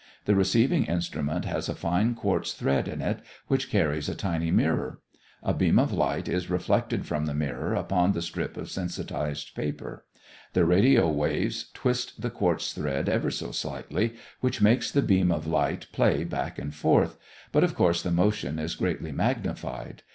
The receiving instrument has a fine quartz thread in it, which carries a tiny mirror. A beam of light is reflected from the mirror upon the strip of sensitized paper. The radio waves twist the quartz thread ever so slightly, which makes the beam of light play back and forth, but of course the motion is greatly magnified.